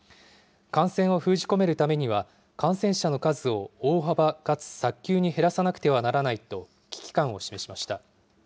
感染を封じ込めるためには、感染者の数を大幅かつ早急に減らさなくてはならないと、危機感を示しました。